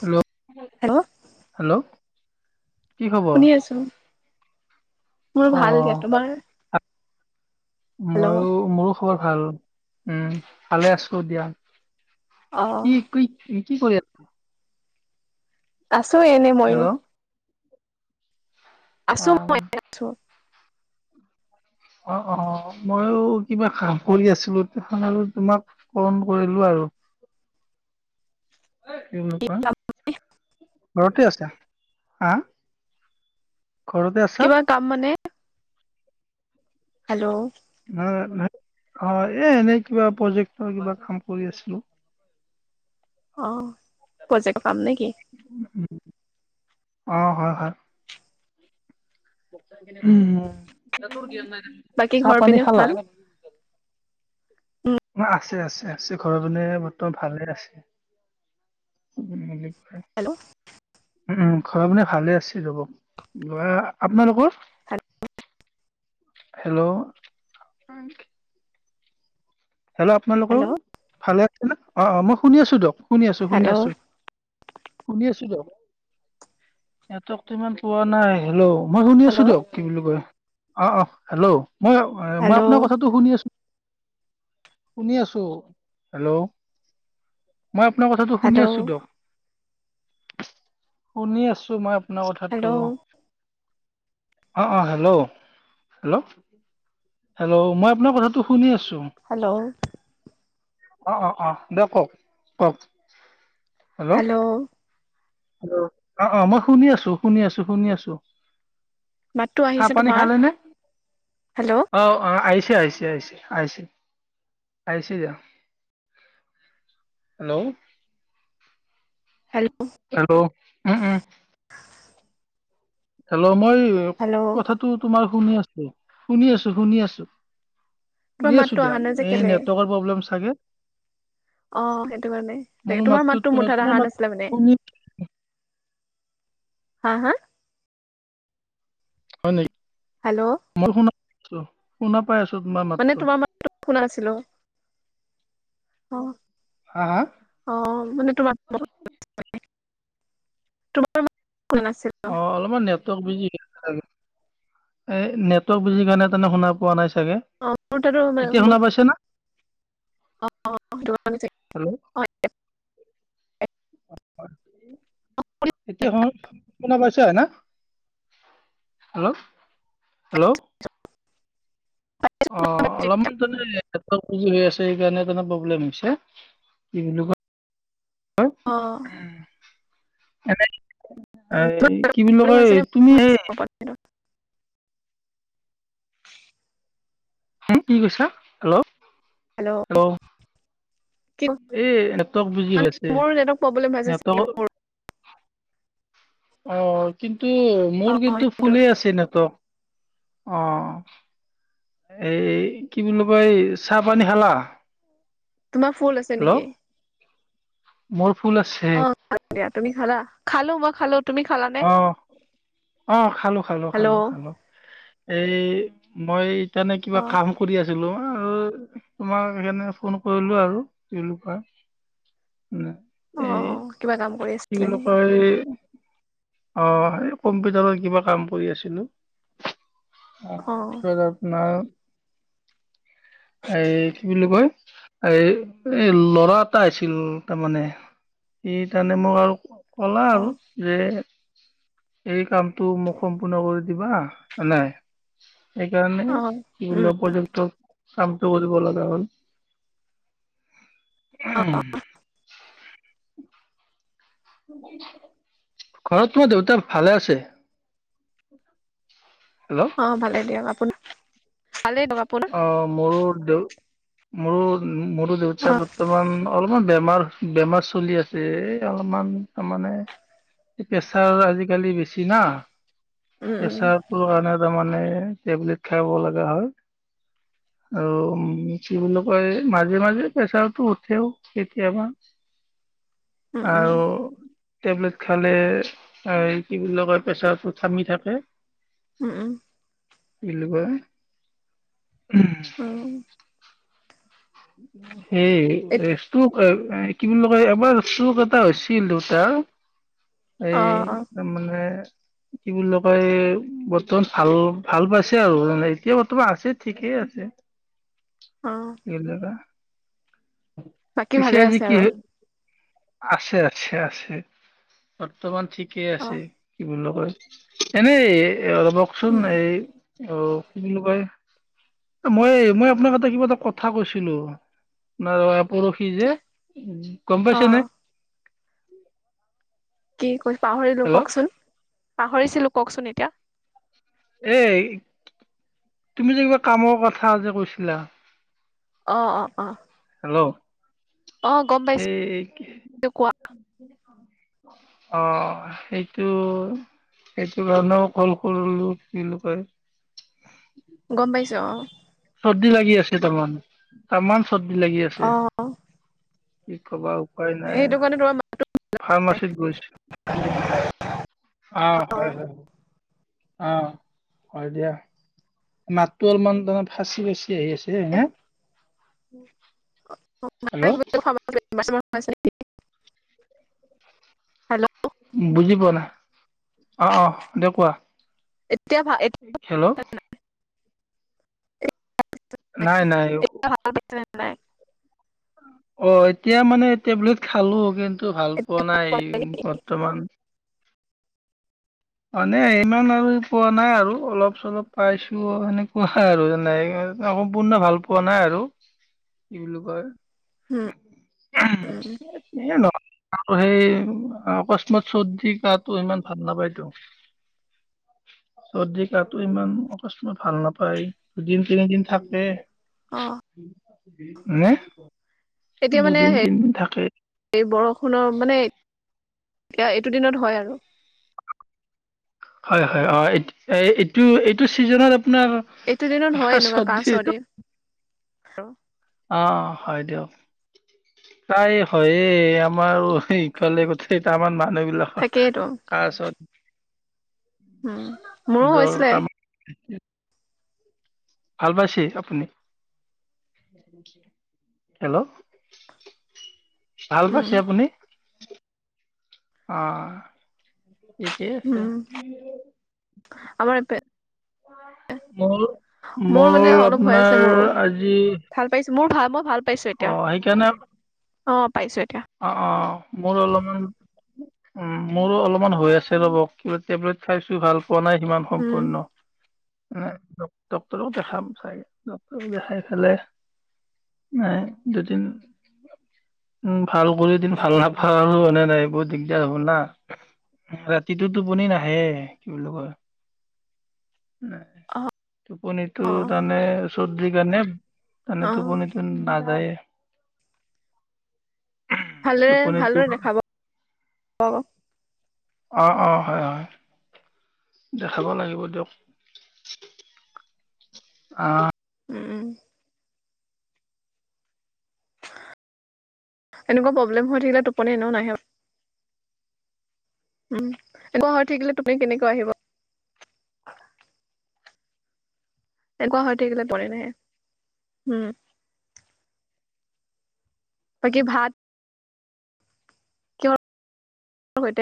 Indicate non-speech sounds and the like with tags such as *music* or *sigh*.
Hello hello hello কি খবৰ? শুনি আছো মোৰ ভাল দিয়া, তোমাৰ? মই হেল্ল' মোৰো খবৰ ভাল উম ভালে আছো দিয়া অ কি কৰিছে? কি কৰিছে? আছো এনে ময়ো। হেল্ল' আছো অ' মই আছো। অঁ অঁ মইও কিবা কাম কৰি আছিলো তে আৰু তোমাক ফণ কৰিলো আৰু কি বুলি কোৱা? ঘৰতেই আছে হা ঘৰতে আছা? কিবা কাম মানে হেল্ল', ন অঁ এ এনেই কিবা প্ৰজেক্টৰ কিবা কাম কৰি আছিলো অঁ পজেটকৰ উম। *unintelligible* অঁ হয়- হয়---! অ বাকী চাহ ঘৰ পানী পিনে খালা।? ভাল উম আছে আছে আছে ঘৰজনে বৰ্তমান ভালে আছে। হেল্ল', ঘৰ মানুহৰ মানে ভালে আছিল ৰ'ব, আপোনালোকৰ? Hello hello! হেল্ল' আপোনালোকৰ হেল্ল' ভালে? অঁ -অঁ মই শুনি আছো দিয়ক। শুনি আছো শুনি হেল্ল' আছো। শুনি আছো দ সিহঁতকো ইমান পোৱা নাই হলওঁ। মই শুনি আছো হেল্ল' দিয়ক! কি বুলি কয়? অঁ অঁ হেল্ল', ! মই মই আপোনাৰ কথাটো শুনি আছো। শুনি আছো হেল্ল'। মই আপোনাৰ কথাটো শুনি হেল্ল' আছো দিয়ক। শুনি আছো মই। আনা কথাটো হেল্ল' অঁ অঁ হেল্ল, ' হেল্ল'! হেল্ল' মই আপোনাৰ কথাটো শুনি আছো হেল্ল', অঁ অঁ অঁ দিয়ক কওঁক কওঁক! হেল্ল' অঁ অঁ মই শুনি আছো শুনি আছো শুনি আছো মাতটো চাহ আহিছে পানী তোমাৰ খালে নে? হেল্ল' অঁ অঁ আহ আহ আহিছে আহিছে আহিছে আহিছে যা হেল্ল' হেল্ল' হেল্ল ', উম উম। হেল্ল ', মই হেল্ল' কথাটো তোমাৰ? শুনি আছো শুনি আছো শুনি আছো। তোমাৰ শুনি মাতটো আছো দিয়া অহা নাই এই নেটৱৰ্কৰ প্ৰব্লেম চাগে অঁ সেইটো কাৰণে মোৰ তোমাৰ মাতটো মাততো মুঠা তোমাৰ আহা মাত নাছিলে মানে শুনি হাঁ হাঁ হয় নে হেল্ল' শুনা পাই আছো তোমাৰ মানে মাতটো তোমাৰ মান শুনা আছিলো অঁ হা হা অ মানে তোমাৰ তোমাৰ কোৱা নাছিল অ অলপমান নেটৱৰ্ক বিজি এ নেটৱৰ্ক বিজি কাৰণে তেনে শুনা পোৱা নাই চাগে অ মোৰ তোৰ অ এতিয়া শুনা পাইছে না হেল্ল' অ এ এতিয়া শুনা পাইছা হয় না হেল্ল হেল্ল' অ অলপমান হৈ আছে সকাৰণে প্ৰব্লেম দিছে কি বুলি কয় হ অ এনে এই কি বুলি কয় তুমি চি হ কি কৈছা হেল্ল' হেল্ল' কি এই নেটৱৰ্ক বিজি মানে হৈ আছে মোৰ নেটৱৰ্ক প্ৰব্লেম হৈছে চাগে নেটৱৰ্ক অ কিন্তু টো অ মোৰ কিন্তু সেইটো ফুলেই আছে নেটৱৰ্ক আহ এ কি বুলি কয় এই চাহ পানী খালা তোমাৰ ফুল আছে হেল্ল' নেকি মোৰ ফুল আছে অ খাল দিয়া তুমি খালা খালো মই খালো তুমি খালানে অ অ খালো খালো হেল্ল' খালো খালো এই মই তেনে কিবা অ কাম কৰি আছে ছিল আৰু তোমাক সেইকাৰণে ফোন কৰিলো আৰু ন অ এই কিবা কাম কৰি কি আছিলে বুলি নি কয় এই অ কম্পিউটাৰৰ কিবা কাম কৰি আছিলো অ পিছত আপোনাৰ এই কি বুলি কয় এ এ লৰা এটা আছিল তাৰমানে ই তাৰমানে মোক আৰু কলা অ আৰু যে এই কামটো মোক সম্পূৰ্ণ কৰি দিবা নাই সেইকাৰণে অ উম এইবিলা পৰ্যটক কামটো কৰিব লগা হল অ উ ঘৰত তোমাৰ দেউতা ভালে আছে। হেল্ল' অ ভালে দিয়ক আপোনাৰ। ভালেই দিয়ক আপোনাৰ অ মোৰ দু মোৰ মৰু দেউটা অ বৰ্তমান অলপমান বেমাৰ বেমাৰ চলি আছে এই অলপমান তাৰ মানে প্ৰেছাৰ আজিকালি বেছি না। উম উম পেচাৰ টো কাৰণে। তাৰ মানে টেবলেট খাব লগা হয় আৰু কি বুলি কয় মাজে মাজে প্ৰেছাৰতটো উঠেও কেতিয়াবা। উম উম আৰু টেবলেট খালে কি বুলি কয় প্ৰেচাৰটো থামি থাকে উম উম ইলবা উম', উম ', সেই এতি এইটো। এহ ', কি বুলি কয় এবাৰ চুক এটা হৈছিল দেউতাৰ। অ এই অ তাৰমানে কি বুলি কয় বৰ্তমান ভাল - ভাল পাইছে আৰু মানে এতিয়া বৰ্তমান আছে ঠিকেই আছে। অহ ', কেলেবা বাকী ভালে আছে আৰু আছে - আছে - আছে বৰ্তমান ঠিক ঠিকে অ আছে কি বুলি কয়। এনেই এই কওকচোন উম এই অহ ', কি বুলি কয় মই - মই আপোনাক এটা কিবা এটা কথা কৈছিলো। ন পৰহি যে উম ', গম অ পাইছে নে? কি কৰি পাহৰিলো হেল্ল' কওক চোন। পাহৰিছিলো কওকচোন এতিয়া। এহ ', তুমি যে কিবা কামৰ কথা যে কৈছিলা। অহ - অহ - অহ হেল্ল', পাইছো সেই কোৱা অহ ', সেইটো - সেইটো কাৰণেও কল কৰিলো লোকাই। গম পাইছো অ চৰ্দি লাগি আছে তাৰমান তামাম চৰ্দি লাগি আছে। অ কি কবা আৰু। হয় নাই সেইটো কাৰণে তোমাৰ ফাৰ্মাচীত গৈছো অহ ', হয় - হয় অহ ', হয় দিয়া মাতটো অলপমান তাৰ মানে ফাঁচি - ফাঁচি গৈছে। টি আহি আছে হে। উম', অহ ', খাব হেল্ল', বুজি পোৱা নাই অহ - অহ দে কোৱা? এতিয়া ভাল হেল্ল' এ উ নাই নাই ৰিপ্লাই অ এতিয়া মানে টেবলেট খালো কিন্ত টো ভাল পোৱা নাই বৰ্তমান মানে ইমান আৰু পোৱা নাই আৰু অলপ চলপ পাইছো সেনেকুৱা আৰু যেনে সম্পূৰ্ণ ভাল পোৱা নাই আৰু কি বুলি কয় উম উম এ নহয় আৰু সেই অকস্মাত চৰ্দি কাতটো ইমান ভাল নাপায়তো। চৰ্দি কাটো ইমান অকস্মাৰ্ট ভাল নাপায় দুদিন তিনিদিন থাকে অ হ এতিয়া মানে হে এই বৰষুণৰ মানে। এতিয়া এইটো দিনত হয় আৰু হয় হয় অ এইটো চিজন এইটো দিনত হয় এনেকুৱা কাহ চদি আৰু অ হয় দিয়ক তাই হয়ে আমাৰ ইফালে গোটেই কেটামান মান মানুহ বিলাকৰ থাকেইতো তাৰাছত উম মোৰো জ্বৰ হৈছিলে তামাম ভাল পাইছি আপুনি হেল্ল' ভাল উম, পাইছে আপুনি ই আহ এই কেছে উম, আমাৰ এপে- মোৰ মানে মোৰ অলপ হৈ আছে আপোনাৰ মোৰো। আজি। ভাল পাইছো মোৰ ভাল মই ভাল। অঁ সেইকাৰণে অঁ পাইছো এতিয়া। অঁ অঁ মোৰো অলপমান উম মোৰো অলপমান হৈ আছে ৰ'ব। কিবা টেবলেট খাইছো ভাল। পোৱা নাই সিমান উম, সম্পূৰ্ণ। ডক্টৰক দেখাম চাইে ডক্টৰ দেখাই পেলাই ম দুদিন উম ভাল কৰিদিন ভাল নাপালো মানে নাই বুত দিগদাৰ হ'ব না ৰাতিটো টোপনি নাহে কি বুলি কয় উ টোপনিটো অ', তাৰমানে। চুটি কাৰণে অ'। মানে টোপনিটো নাযায়ে। ভালেৰে টোপনিটো ভালদৰে দেখাব। অঁ অঁ হয় হয় দেখাব লাগিব দিয়ক অঁ উম উম। এনেকুৱা প্ৰবলেম হৈ থাকিলে টোপনি এনে নাহে। এনেকুৱা হৈ থাকিলে তুমি কেনেকৈ আহিব। এনেকুৱা হৈ থাকিলে টোপনি নাহে হমৱ বাকী ভাত। কিহৰ সৈতে